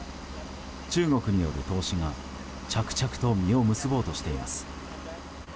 中国による投資が着々と実を結ぼうとしています。